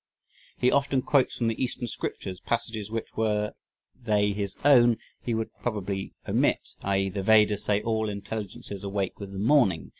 He often quotes from the Eastern scriptures passages which were they his own he would probably omit, i.e., the Vedas say "all intelligences awake with the morning."